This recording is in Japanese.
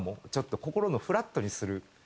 心をフラットにする。